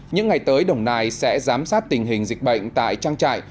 những ngày tới đồng nai sẽ giám sát tình hình dịch bệnh tại trang trại